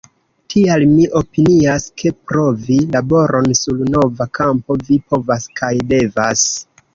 Tial mi opinias, ke provi laboron sur nova kampo vi povas kaj devas.